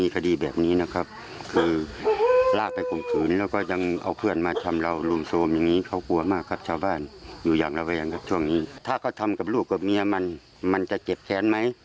ถ้าเขาทำกับลูกกับเมียมันมันจะเจ็บแค้นไหม